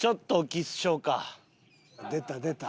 出た出た。